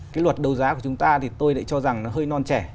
cái luật đấu giá của chúng ta thì tôi lại cho rằng nó hơi non trẻ